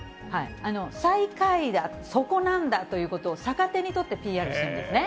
最下位だ、底なんだということを、逆手に取ってＰＲしたんですね。